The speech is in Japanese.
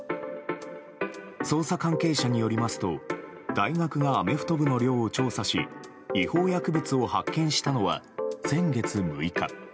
捜査関係者によりますと大学がアメフト部の寮を調査し違法薬物を発見したのは先月６日。